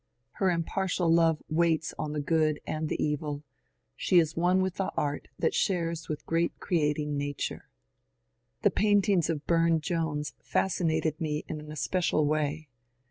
Her impartial love waits on the good and the evil ; she is one with the art that ^^ shares with great creating Nature." The paintings of Bume Jones fascinated me in an especial way.